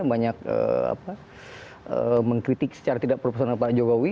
banyak mengkritik secara tidak proporsional pak jokowi